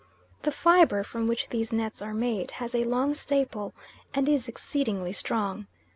The fibre from which these nets are made has a long staple, and is exceedingly strong.